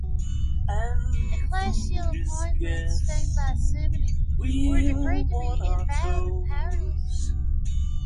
Ecclesiastical appointments stained by simony were decreed to be invalid and powerless.